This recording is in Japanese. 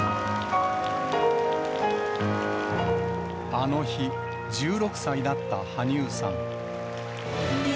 あの日、１６歳だった羽生さん。